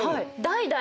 代々。